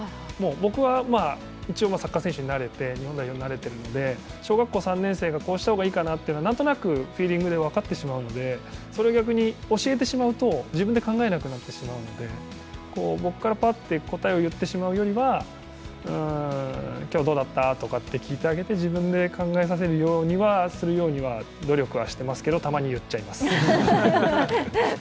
僕はサッカー選手になれて日本代表になれてるので小学校３年生がこうした方がいいかなというのは何となくフィーリングで分かってしまうので、逆に教えてしまうと自分で考えなくなってしまうので僕からパッと答えを言ってしまうよりは今日どうだったとか聞いてあげて、自分で考えさせるように努力していますけど、たまに言っちゃいます。